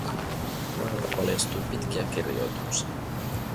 Koneelta paljastui pitkiä kirjoituksia.